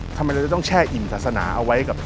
ทำไมเราจะต้องแช่อิ่มศาสนาเอาไว้กับ